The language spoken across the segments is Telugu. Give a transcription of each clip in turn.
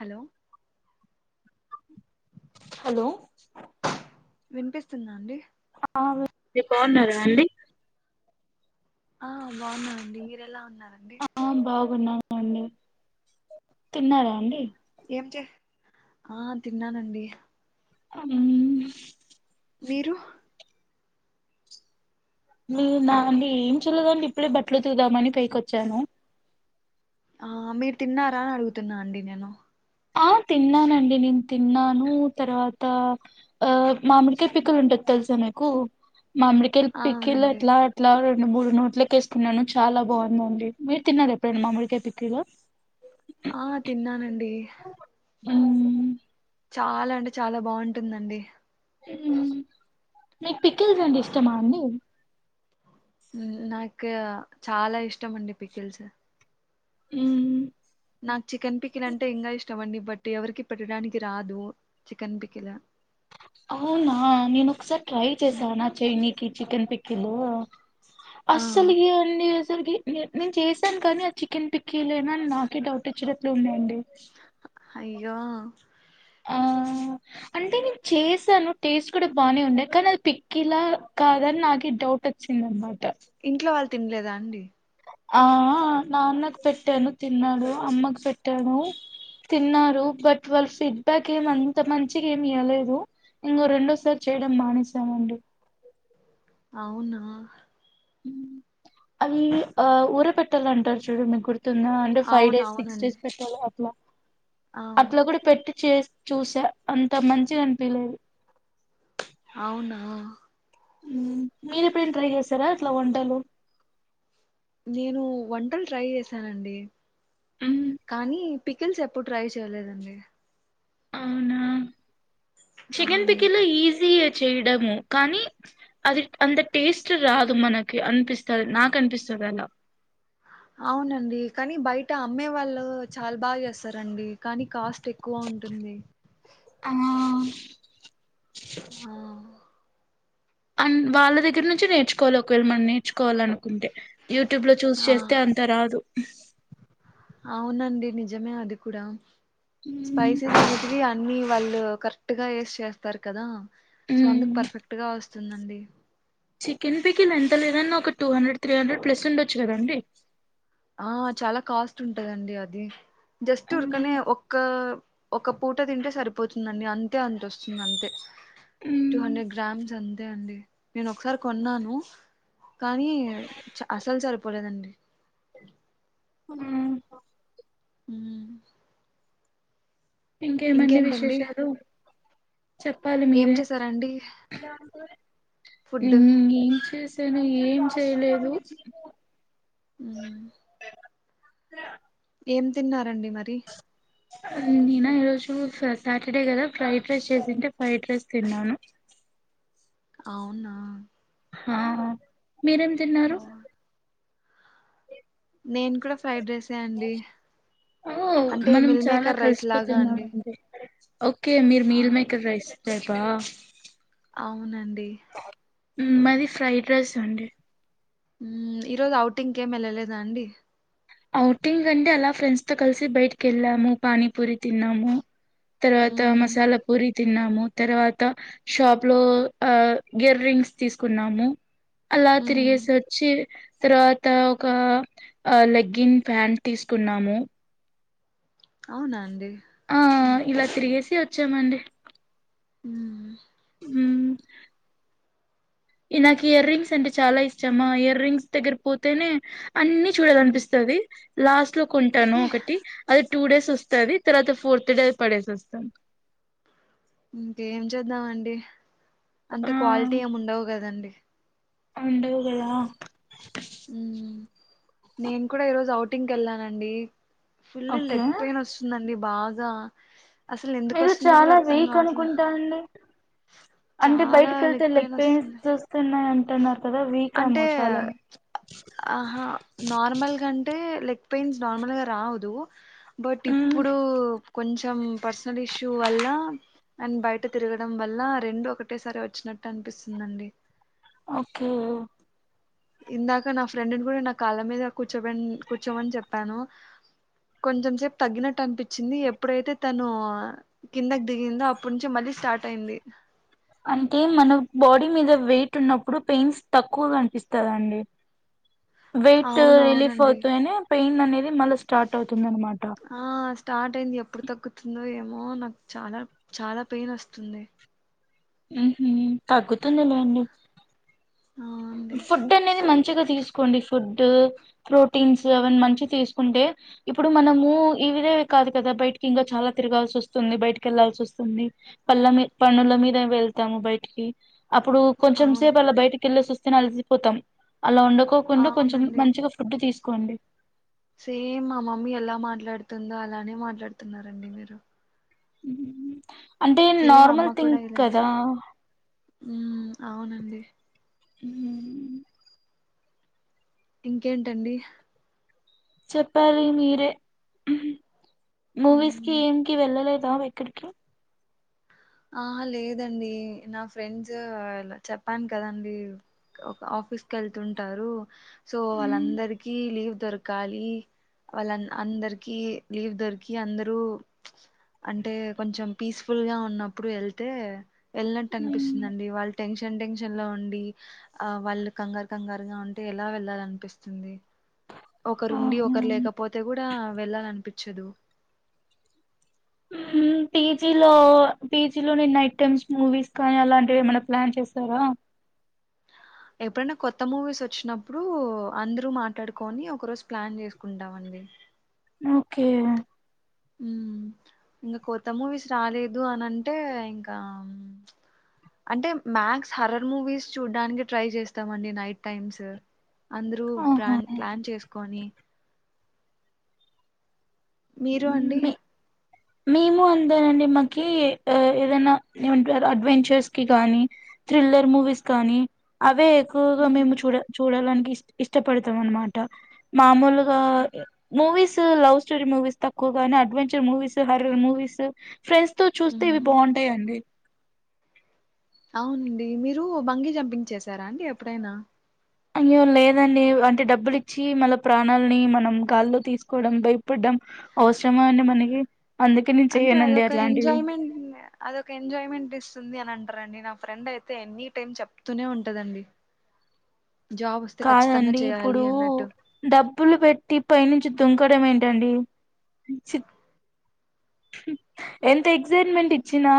హలో హలో వినిపిస్తుందా అండి? ఆ మీర్ బాగున్నారా అండి? ఆ బాగున్నాండి. మీరెలా ఉన్నారు? ఆ బావ్ ఉన్నాను, తిన్నారా అండి? ఆ తిన్నానండి ఉహ్ మీరు నేనా అంటే ఏం చల్లేదు అండిప్పుడే బట్ అట్లు తిందామని పైకివచ్చను ఆ మీరు తిన్నారా అని అడుగుతున్నా అండి నేను ఆ తిన్నానండి. నేను తిన్నాను తర్వాత ఆ మామిడికాయ పికిల్ ఉంటది తెలుస మిక్ కు మడికాయల పికిల్ అవునండి ఎట్లా అట్లా నేను మూడు నోట్లక వేసుకున్నాను చాలా బాగుందండి. మీరు తిన్నారా ఎప్పుడైనా మామిడికాయ పైకులు? ఆ తినను ఆన్ డి ఉహ్ చాలా అంటే చాలా బాగుంటుందండి ఉహ్ పికిల్స్ అంటే ఇష్టమా అండి ఉహ్ నాకు చాలా ఇష్టం అండి పికిల్స్. ఉహ్ నాకు చికెన్ పికిల్ అంటే ఇంగ ఇష్టం అండి, బట్ ఎవరికి పెట్టడానికి రాదు చికెన్ పికిల్ అవునా నేను ఒకసారి ట్రై చేసాను చైయినీకి చికెన్ పిక్కిలు ఆ అస్సలుకి అన్ని తేస్ రికి నేను చేశాను కానీ ఆది చికెన్ పిక్కీలేనా అని నాకే డౌట్ ఇచ్చినట్లు ఉందిండి అయ్యో ఆ అంటే నేను చేసాను టేస్ట్ కూడా బానే ఉండే కానీ అది పిక్కిలా కాదని నాకే డౌట్ వచ్చింది అనమాట ఇంట్లో వాళ్ళు తినలేదా అండి ఆ ఆ నాన్నకు పెట్టాను తిన్నాడు అమ్మకు పెట్టాను తిన్నారు బట్ వాళ్ళ ఫీడ్బ్యాక్ ఏమింత మంచిగా ఏమి యివ్వలేదు ఇంక రెండోసారి చేయడం మానేసామండి అవునా అవి ఆ ఊర పెట్టాలంటారు చూడు మీకు గుర్తు తుందా అంటే ఫైవ్ అవును డేస్ పిక్స్ అవునండి చేసి పెట్టాల ఇలా ఆ అట్లా కూడా పెట్టి చే చూసా అంత మంచిగా అనిపియలేదు అవునా మీరేప్పుడేన ట్రై చేసారా ఇట్లా వంటలు నేను వంటలు ట్రై చేశానండి మ్మ్. కానీ పికెల్స్ ఎప్పుడు ట్రై చేయలేదండి అవునా చికెన్ అవునండి పికెల్ ఈసియే చేయడము కానీ అది అంత టేస్ట్ రాదు మనకి అనిపిస్తది నాకు అనిపిస్తది అలా అవునండి కానీ బయట అమ్మే వాళ్ళు చాలా బాగా చేస్తారండి కానీ కాస్ట్ ట్ ఎక్కువ ఉంటుంది ఆ ఆ అ వాళ్ళ దగ్గర నుంచి నేర్చుకోవాలి ఒకవేళ మనం నేర్చుకోవాలి అనుకుంటే యూట్యూబ్ లో చూసి ఆ చేస్తే అంత రాదు అవునండి నిజమే అది కూడా స్పైసీస్ అనేటివి అన్ని ఉ వాళ్ళు కరెక్ట్ గా ఏసి చేస్తారు కదా సో ఉమ్ అందుకు పర్ఫెక్ట్ గా ఓస్ వస్తుందండి చికెన్ పికిీలు ఎంత లేదన్నా ఒక two hundred three hundred plus ఉండొచ్చు కదా అండి ఆ చాలా కాస్ట్ ఉంటదండి అది జస్ట్ ఊరకనే ఒక్క ఒక పూట తింటే సరిపోతుందండి అంతే అంత వస్తుంది అంతే టూ మ్మ్. హండ్రెడ్ గ్రామ్స్ అంతే అండి నేను ఒకసారి కొన్నాను కానీ అసలు సరిపోలేదండి హమ్ హ ఇంకేమండి విశేషాలు చెప్పాలి ఏం మీరే చేసారండి ఫుడ్ ఏం చే నిను ఏం చేయలేదు అ అ ఏం తిన్నారండి మరి నేనా ఈ రోజు సాటర్డే కదా ఫ్రైడ్ రైస్ చేసింటే ఫ్రైడ్ రైస్ తిన్నాను అవునా ఆా మీరేం ఆ, తిన్నారు నేను కూడా ఫ్రైడ్ రైసే అండి ఓ అంటే మనం మిల్ చాలా మేకర్ రైస్ లాగా కలిసిపోతున్నాము అండి ఓకే మీరు ఆ, మీల్ మేకర్ రైస్ చెపా అవునండి మాది ఫ్రైడ్ రైస్ అండి ఈరోోజు ఔటింగ్ కి ఎం వెళ్ళలేదా అండి అఔటింగ్ అంటే అలా ఫ్రెండ్స్ తో కలిసి బయటికి వెళ్ళాము పానీపూరి తిన్నాము తర్వాత మ్మ్ మసాలా పూరి తిన్నాము తర్వాత షాప్ లో ఆ ఇయర్ రింగ్స్ తీసుకున్నాము అలాా మ్మ్ తిరిగిే సి వచ్చి తర్వాత ఒక లైక్ గిన్ ఫ్యాంట్ తీసుకున్నాము అవునా అండి ఆ ఓకే ఇలా తిరిగేసి వచ్చామండి ఉ ఈ నాకు ఇయర్ రింగ్స్ అంటే చాలా ఇష్టము ఆ ఇయర్ రింగ్స్ దగ్గర పోతేనే అన్నిీ చూడాల మ్మ్ అనిపిస్థాది లాస్ట్ లో కొంటాను కానీ ఒకటి అది టూ డేస్ వస్తది తర్వాత ఫోర్త్ డే ఆది పడేస్ వస్త ఏం చేద్దామండి అంత ఆ క్వాలిటీ ఏం ఉండవు కదండి ఉండవు గదా మ్మ్ నేను కూడా ఈరోోజు అఔటింగ్ కి వెళ్ళానండి ఫుల్ ఓకే లెగ్ పెయిన్ వస్తుందండి బాగా అసలు ఎందుకు మీరు వస్తుందో కూడా చాలా అర్థం వీక్ కావట్లా అనుకుంటా అండి అంటే చాలా బయటికి వెళ్తే లెగ్ పెయిన్ పెయిన్స్ వస్తుంది చూస్తున్నాయి అన్ అంటే ఆహా నార్మల్ గా అంటే టే లెగ్ పెయిన్స్ నార్మల్ గా రాదు బట్ ఇప్పుడు కొంచ్ కొంచెం పర్సనల్ ఇష్యూ వల్ల అండ్ బయట తిరగడం వల్ల రెండు ఒకటేసారి వచ్చినట్టు అనిపిస్తుందండి ఓకే ఇందాక నా ఫ్రెండ్ని కూడా నా కాళ్ళ మీద కూర్చో కూర్చోమని చెప్పాను కొంచెం సేపు తగ్గినట్టు అనిపించింది ఎప్పుడైతే తను కిందకి దిగిందో అప్పడు నుంచే మళ్ళీ స్టార్ట్ అయింది అంటే మన బాడీ మీద వెయిట్ ఉన్నప్పుడు పెయిన్స్ తక్కువ గా అనిపిస్తందండి వెయిట్ రిలీఫ్ అవునవునండి అవుతాయని పెయిన్ అనేది మళ్ళీ స్టార్ట్ అవుతుంది అనమాట ఆ స్టార్ట్ అయింది ఎప్పుడు తగ్గుతుందో ఏమో మో నాకు చాలా చాలా పెయిన్ వస్తుంది హ్మ్మ్ హు తగ్గుతుంది లేండి ఆ అండి ఫుడ్ అనేది మంచిగా తీసుకోండి ఫుడ్ ప్రోటీన్స్ అవన్నీ మంచి తీసుకుంటే ఇప్పుడు మనము ఇవిదే కాదు కదా బయటికి ఇంకా చాలా తిరగాల్సి వస్తుంది బయటికి వెళ్లాాల్సి వస్తుంది పళ్ళ మీ పన్నుల మీద వెళ్తాము బయటికి అప్పుడు కొంచెం అవును సేపు అలా బయకి వెళ్ళేసస్ రికినే అలసిపోతాం అలా ఉండకోకుండా కొంచెం అవునండి మంచిగా ఫుడ్ తీస్ కోండి సేమ్ మా మమ్మీ ఎలా మాట్లాడుతుందో అలానే మాట్లాడుతున్నారండి మీరు అంటే సేమ్ నార్మల్ థింక్ కదా హుమ్ అవునండి మ్మ్ ఇంకేంటండి చెప్పాలి మీరే మూవీస్ కి ఉమ్. ఏం కి వెళ్ళలేద్ గోవా ఎక్కడికి. ఆహ్ లేదండి నా ఫ్రెండ్స్ చెప్పాను కదండి ఒక ఆఫీస్ కేళ్తుంటారు. సో వాళ్ళందరికి లీవ్ దొరకాలి వాళ్ళ అందరికి లీవ్ దొరికి అందరు ప్చ్ అంటే కొంచెం పీస్ఫుల్ గా ఉన్న ఇప్పుడు వెళ్తే. వెళ్ళినట్టు అనిపిస్తుందండి వాళ్ళ టెన్షన్. టెన్షన్ టెన్షన్ లో ఉండి ఆ వాళ్ళు కంగారు కంగారు గా ఉంటే ఎలా వెళ్ళాలనిపిస్తుంది. ఒకరుండి ఒకరు ఆహా లేకపోతే కూడా వెళ్ళాలనిపించ్ చ్చదు. ఉమ్ పీజీలో పీజిలో నేను నైట్ టైమ్స్ మూవీస్ కానీ అలాంటివి ఏమైనా ప్లాన్ చేశార. ఎప్పుడైనా కొత్త మూవీస్ వచ్చినప్పుడు అందరూ మాట్లాడుకొని ఒక రోజు ప్లాన్ చేసుకుంటామండి. ఓకే ఉమ్ ఇంకా కొత్త మూవీస్ రాలేదు అని అంటే ఇంకా ప్చ్ అంటే మ్యాక్స్ హరర్ మూవీస్ చూడ్డానికి ట్రై చేస్తామండి నైట్ టైమ్స్. అందరూ ఆహా ప్లాన్ ప్లాన్ చేసుకొని. మీరు అండి. మీ మేము అంతేనండి మాకి ఏదైనా అడ్వెంచర్స్ కి కానీ థ్రిల్లర్ మూవీస్ కానీ అవే. ఎక్కువగా మేము ఉమ్, చూడ చూడాలనిపిస్ ఇష్టపడతాం అనమాట మామూలు ఆహ్ okay. Movies. Love story movies తక్కువగానే adventure movies. Horror movies. Friends తో చూస్తే ఇవి హ్మ్. బాగుంటాయండి. అవునండి. మీరు బంగి జంపింగ్ చేసారా అండి ఎప్పుడైనా అయ్యో లేదండి అంటే డబ్బులి ఇచ్చి మళ్ళ ప్రాణాలని మనం గాలిల్లో తీసుకోవడం భయపడ్డం అవసరమా అండి మనకి. అందుకే నేను అంటే చెయ్యనండి అదొక అట్లాంటివి ఎంజాయ్మెంట్. అదొ ఒక ఎంజాయ్మెంట్ ఇస్తుంది అని అంటారండి. నా ఫ్రెండ్ అయితే ఎనీ టైమ్ చెప్తూనే ఉంటదండి. జాబ్ వస్తే ఖచ్చితంగా కాదండి చేయాలి ఇప్పుడు అన్నట్టు డబ్బులు పెట్టి పైనుంచి. దుంకడం ఏంటండి. ఎంత ఎక్సైట్మెంట్ ఇచ్చినా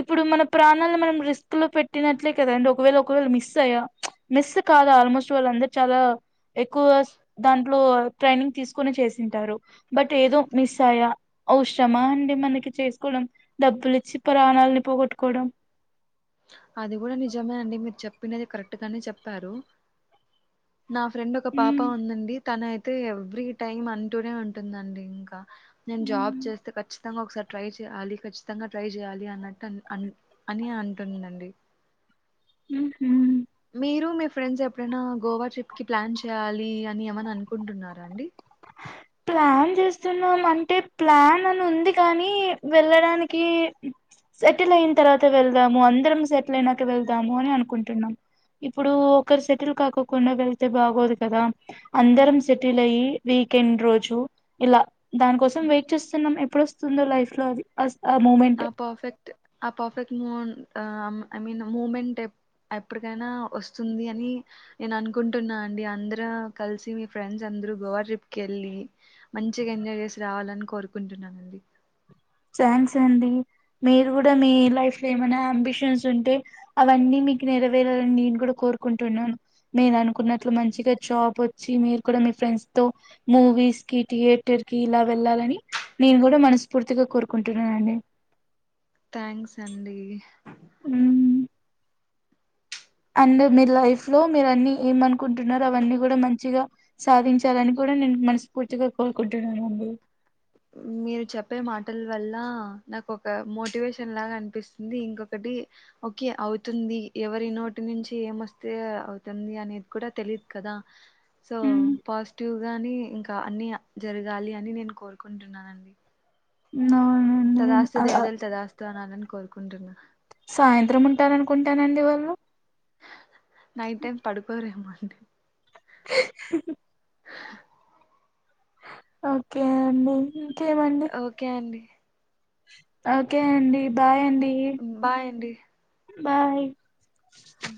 ఇప్పుడు మన ప్రాణాలను మనం రిస్క్ లో పెట్టినట్లే కదా అండి. ఒకవేళ ఒకవేళ మిస్ అయ్యా ప్చ్ మిస్ కాదా ఆల్మోస్ట్ వాళ్ళందరు చాలా ఎక్కువ దాంట్లో ట్రైనింగ్ తీసుకుని చేసింటారు బట్ ఏదో మిస్ అయ్యా. ఔషరమా అండి మనకి చేసుకోవడం డబ్బులిచ్చి ప్రాణాలని పోగొట్టుకోవడం. అది కూడా నిజమే అండి మీరు చెప్ ప్పినది కరెక్ట్ గానే చెప్పారు. నా ఫ్రెండ్ ఒక పాప ఉమ్ ఉందండి. తనయితే ఎవ్రీ టైమ్ అంటూనే ఉంటుందండి ఇంకా. నేను జాబ్ ఉమ్ చేస్తే కచ్చి ఖచ్చితంగా ఒకసారి ట్రై చేయాలి ఖచ్చితంగా ట్రై చేయాలి అన్నట్టు అను అని అంటుందండి. వేయ్ హూ ఉమ్. మీరు మీ ఫ్రెండ్స్ ఎప్పుడైనా గోవా ట్రిప్కి ప్లాన్ చేయ్యాలి అని ఏమన్నా అనుకుంటున్నారా అండి. ప్లాన్ చేస్తున్నాం అంటే ప్లాన్ అని ఉంది కానీ వెళ్ళడానికి సెటిల్ అయిన తర్వాత వెళ్దాము అందరం సెటిల్ అయినాక వెళ్దాము అని అనుకుంటున్నాం. ఇప్పుడు ఒకరు సెటిల్ కాకోకుండా వెళ్తే బాగోదు కదా అందరం సెటిల్ అయి వీకెండ్ రోజు. ఇలా దాని కోసం వెయిట్ చేస్తున్నాం ఏ ఎప్పుడు వస్తుందో లైఫ్ లో అస్ ఆ పర్ఫెక్ట్ ఆ పర్ఫెక్ట్ మూవ్ ఆ ఐ మీన్ మూమెంట్ ఎప్పటికైనా వస్తుంది అని నేను అనుకుంటున్నా అండి అందర కలిసి మీ ఫ్రెండ్స్ అందరుూ గోవా ట్రిప్కి వెళ్ళి మంచిగా ఎంజాయ్ చేసి రావాలని కోరుకుంటున్నానండి థ్యాంక్స్ అండి మీరు కూడా మీ లైఫ్ ఏమనా అంబిషన్స్ ఉంటే అవన్నీ మీకు నెరవేరాలని నేను కూడా కోరుకుంటున్నాను మీరు అనుకున్నట్లు మంచిగా జాబ్ వచ్చి మీరు కూడా మీ ఫ్రెండ్స్ తో మూవీస్ కి థియేటర్ కి ఇలా వెళ్ళాలని నేను కూడా మనస్ఫూర్తి ర్తుగా కోరుకుంటున్నానండి థ్యాంక్స్ అండి అ అండ్ మీరు లైఫ్ లో మీరు అన్ని ఏమనుకుంటున్నారు అవన్నీ కూడా మంచిగా సాధించాలని కూడా నేను మనస్ఫూర్తిగా కోరుకుంటున్నానండి మీరు చెప్పే మాటల వల్ల నాకు ఒక మోటివేషన్ లాగా అనిపిస్తుంది ఇంకొకటి ఓకే అవుతుంది ఎవరి నోటి నుంచి ఏమొస్తే అవుతుంది అనేది కూడా తెలియదు కదా సో మ్మ్. పాస్ ్య గాని ఇంకా అన్ని జరగాలి అని నేను కోరు నుకుంటున్నానండి అవునండి నేను తదాస్తు ఆ- ఆ దేవతలు తదాస్తు అనాలని కోరుకుంటున్నా సాయంత్రం ఉంటారనుకుంటానండి వాళ్ళు నైట్ టైం పడుకో రేమొ శ ఓకే అండి ఇంకేమండి ఓకే అండి ఓకే అండి బాయ్ అండి బబాయ్ అండి బాయ్ హ